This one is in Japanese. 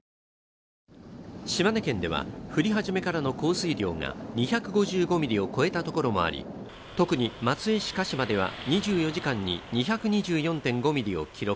島根県では降り始めからの降水量が２５５ミリを超えたところもあり特に松江市鹿島では２４時間に２２４．５ミリを記録。